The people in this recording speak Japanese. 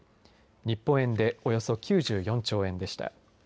日本円でおよそ９４兆円でした。